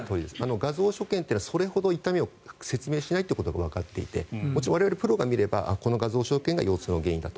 画像所見はそれほど痛みを説明しないことがわかっていてもちろん我々プロが見ればこの画像所見が腰痛の原因だと。